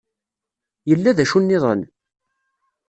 Yella d acu-nniḍen?